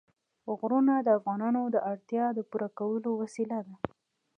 غرونه د افغانانو د اړتیاوو د پوره کولو وسیله ده.